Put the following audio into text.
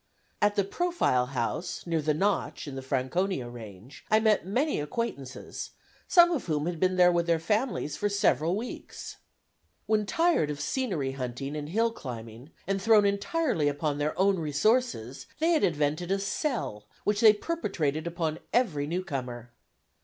At the Profile House, near the Notch, in the Franconia range, I met many acquaintances, some of whom had been there with their families for several weeks. When tired of scenery hunting and hill climbing, and thrown entirely upon their own resources, they had invented a "sell" which they perpetrated upon every new comer.